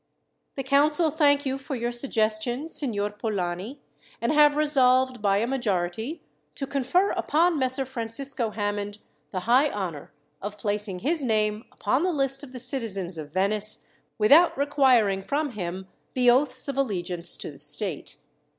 "The council thank you for your suggestion, Signor Polani, and have resolved, by a majority, to confer upon Messer Francisco Hammond the high honour of placing his name upon the list of the citizens of Venice, without requiring from him the oaths of allegiance to the state.